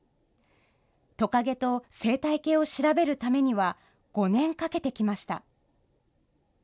トカゲと生態系を調べるためには、５年かけてきました。